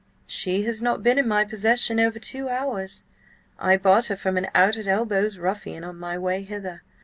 "She has not been in my possession over two hours. I bought her from an out at elbows ruffian, on my way hither.